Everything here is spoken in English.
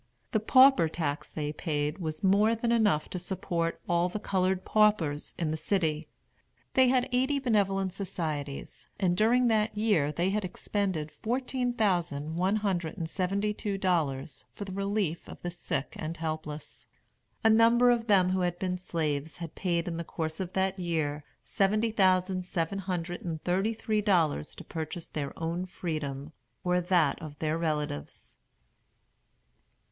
The pauper tax they paid was more than enough to support all the colored paupers in the city. They had eighty benevolent societies, and during that year they had expended fourteen thousand one hundred and seventy two dollars for the relief of the sick and the helpless. A number of them who had been slaves had paid, in the course of that year, seventy thousand seven hundred and thirty three dollars to purchase their own freedom, or that of their relatives.